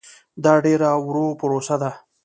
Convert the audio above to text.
دا ډېره ورو پروسه ده.